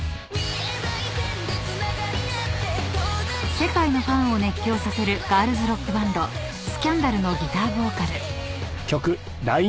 ［世界のファンを熱狂させるガールズロックバンドＳＣＡＮＤＡＬのギターボーカル］